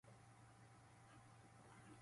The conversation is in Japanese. だとしたらどうする？